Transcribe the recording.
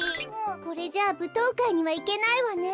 これじゃあぶとうかいにはいけないわね。